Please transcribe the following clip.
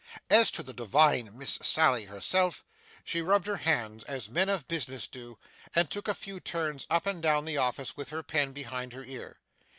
As to the divine Miss Sally herself, she rubbed her hands as men of business do, and took a few turns up and down the office with her pen behind her ear.